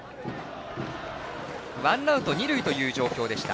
ワンアウト、二塁という状況でした。